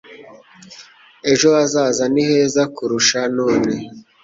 ejo hazaza ni heza kurusha none.